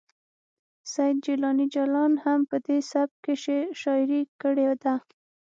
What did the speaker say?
سید جیلاني جلان هم په دې سبک کې شاعري کړې ده